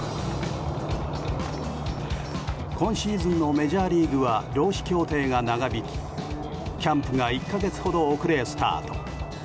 今シーズンのメジャーリーグは労使協定が長引きキャンプが１か月ほど遅れスタート。